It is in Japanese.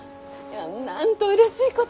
なんとうれしいこと。